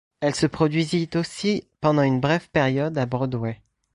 Elle se produisit aussi pendant une brève période à Broadway.